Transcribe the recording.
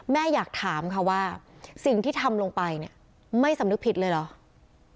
แม่อยากถามค่ะว่าสิ่งที่ทำลงไปเนี่ยไม่สำนึกผิดเลยเหรอ